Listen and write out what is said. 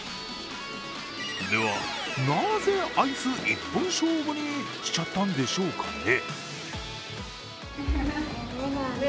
では、なぜアイス一本勝負にしちゃったんでしょうかね？